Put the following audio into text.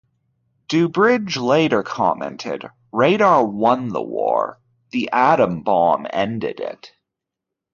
DuBridge later commented, Radar won the war; the atom bomb ended it.